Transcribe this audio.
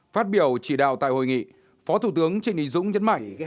phát biểu chỉ đạo tại hội nghị phó thủ tướng trịnh đình dũng nhấn mạnh